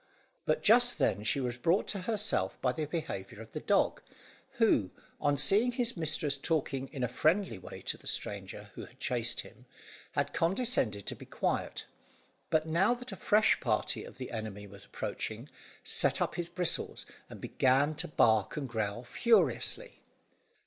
But just then she was brought to herself by the behaviour of the dog, who, on seeing his mistress talking in a friendly way to the stranger who had chased him, had condescended to be quiet, but now that a fresh party of the enemy was approaching, set up his bristles, and began to bark and growl furiously.